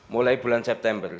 mulai bulan september